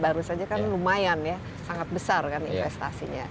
baru saja kan lumayan ya sangat besar kan investasinya